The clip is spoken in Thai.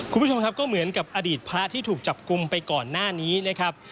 คุณผู้ชมครับก็เหมือนกับอดีตพระที่ถูกจับกลุ่มไปก่อนหน้านี้นะครับ